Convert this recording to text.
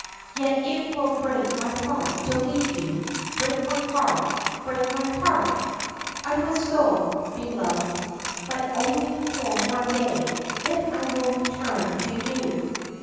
Yet it will break my heart to leave you break my heart break my heart I I must go, beloved, but only for one day ; then I will return to you.'